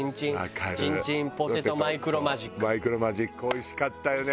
マイクロマジックおいしかったよね。